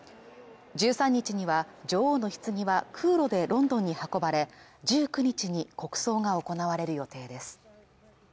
１３日には女王の棺は空路でロンドンに運ばれ１９日に国葬が行われる予定です